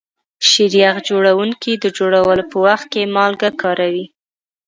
شیریخ جوړونکي د جوړولو په وخت کې مالګه کاروي.